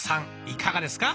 いかがですか？